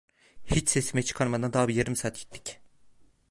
Hiç sesimi çıkarmadan daha bir yarım saat gittik.